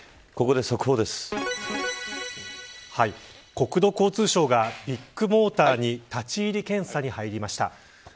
国土交通省がビッグモーターに立ち入り検査に入りました。